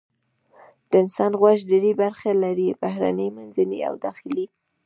د انسان غوږ درې برخې لري: بهرنی، منځنی او داخلي.